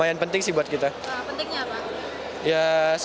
di sini kayak semua pemerintah